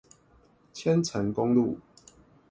千層公路